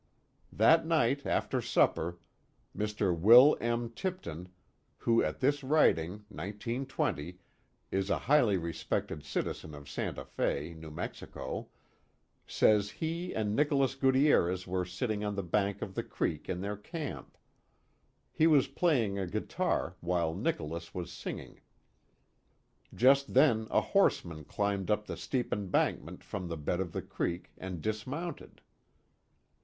That night after supper, Mr. Will M. Tipton, who at this writing, 1920, is a highly respected citizen of Santa Fe, New Mexico, says he and Nicolas Gutierez were sitting on the bank of the creek in their camp. He was playing a guitar while Nicolas was singing. Just then a horseman climbed up the steep embankment from the bed of the creek, and dismounted.